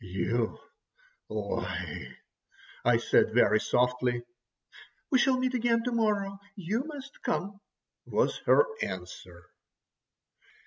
"You lie," I said very softly. "We shall meet again to morrow. You must come," was her answer.